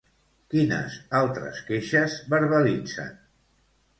Quines altres queixes verbalitzen?